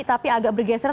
tapi agak bergeser